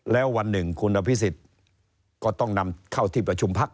แล้ววันหนึ่งคุณอภิษฎก็ต้องนำเข้าที่ประชุมพัก